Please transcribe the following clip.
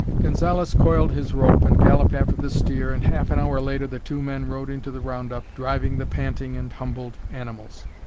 Gonzalez coiled his rope and galloped after the steer and half an hour later the two men rode into the round up, driving the panting and humbled animals.